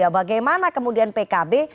bagaimana kemudian pkb